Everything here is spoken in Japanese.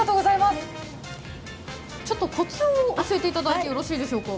コツを教えていただいてよろしいでしょうか？